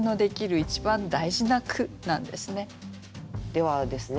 ではですね